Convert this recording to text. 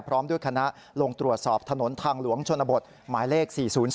พร้อมด้วยคณะลงตรวจสอบถนนทางหลวงชนบทหมายเลข๔๐๒